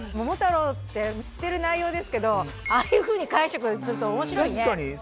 「桃太郎」って知ってる内容ですけどああいうふうに解釈すると面白いね。